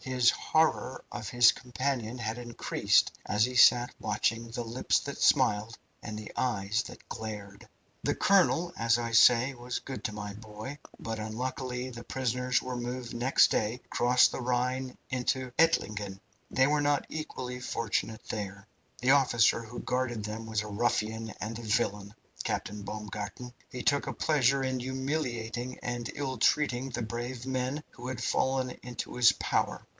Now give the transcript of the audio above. His horror of his companion had increased as he sat watching the lips that smiled and the eyes that glared. "The colonel, as I say, was good to my boy. But, unluckily, the prisoners were moved next day across the Rhine into Ettlingen. They were not equally fortunate there. The officer who guarded them was a ruffian and a villain, Captain Baumgarten. He took a pleasure in humiliating and ill treating the brave men who had fallen into his power.